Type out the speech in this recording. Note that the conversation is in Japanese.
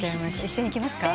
一緒に行きますか？